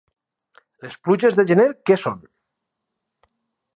Les pluges de gener què són?